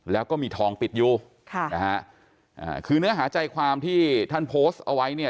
แล้วก็มีทองปิดอยู่คือเนื้อหาใจความที่ท่านโพสต์เอาไว้